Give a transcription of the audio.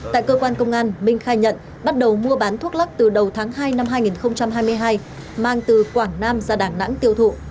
tại cơ quan công an minh khai nhận bắt đầu mua bán thuốc lắc từ đầu tháng hai năm hai nghìn hai mươi hai mang từ quảng nam ra đà nẵng tiêu thụ